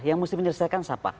yang mesti menjelaskan siapa